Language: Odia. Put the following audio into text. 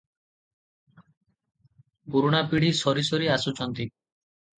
ପୁରୁଣା ପିଢ଼ି ସରିସରି ଆସୁଛନ୍ତି ।